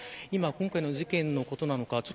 今回の事件のことなのか